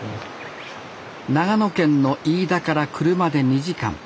長野県の飯田から車で２時間。